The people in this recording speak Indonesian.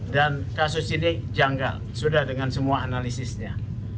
dan kasus ini janggal sudah dengan semua analisisnya